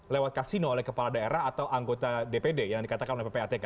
lewat kasino oleh kepala daerah atau anggota dpd yang dikatakan oleh ppatk